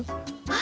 あ！